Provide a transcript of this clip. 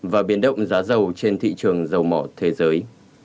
và biến động giá dầu trên thị trường dầu mỏ thế giới